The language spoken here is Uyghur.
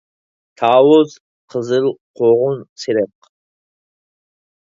تاۋۇز قىزىل قوغۇن سېرىق